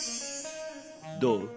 どう？